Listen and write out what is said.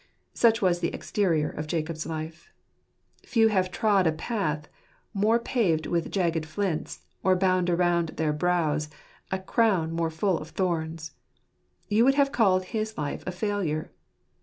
Such was the exterior of Jacobis life. Few have trod a path more paved with jagged flints, or hound around their brows a crown more full of thorns. You would have called his life a failure.